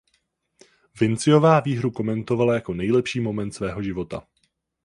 Vinciová výhru komentovala jako nejlepší moment svého života.